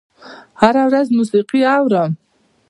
هره ورځ موسیقي اورم